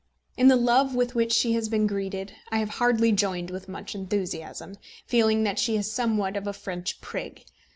In the love with which she has been greeted I have hardly joined with much enthusiasm, feeling that she is somewhat of a French prig.